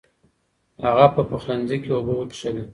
هغه په پخلنځي کې اوبه وڅښلې.